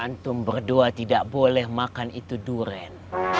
antum berdua tidak boleh makan itu durian